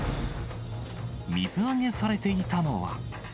水揚げされていたのは。